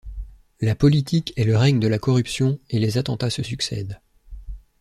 La politique est le règne de la corruption et les attentats se succèdent.